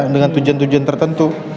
dengan tujuan tujuan tertentu